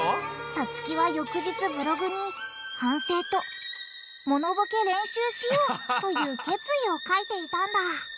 さつきは翌日ブログに反省と「モノボケ練習しよう」という決意を書いていたんだ！